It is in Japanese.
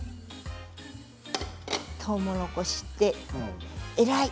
とうもろこしって偉い。